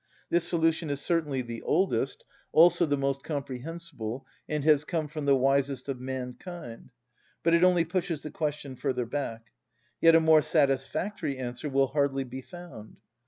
This solution is certainly the oldest, also the most comprehensible, and has come from the wisest of mankind; but it only pushes the question further back. Yet a more satisfactory answer will hardly be found.